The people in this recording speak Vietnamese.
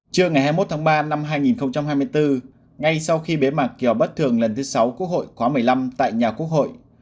trưa ngày hai mươi một tháng ba năm hai nghìn hai mươi bốn ngay sau khi bế mạc kỳ họp bất thường lần thứ sáu quốc hội khóa một mươi năm tại nhà quốc hội